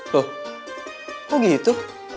loh kok gitu